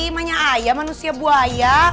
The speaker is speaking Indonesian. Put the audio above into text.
manya ayah manusia bu aya